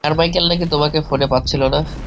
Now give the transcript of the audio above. Carmichael নাকি তোমাকে ফোনে পাচ্ছিল না।